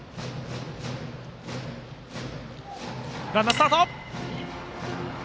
ランナー、スタート！